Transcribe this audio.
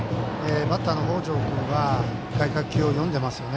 バッターの北條君は外角球を読んでますよね。